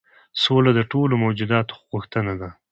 سوله د ټولو موجوداتو غوښتنه ده.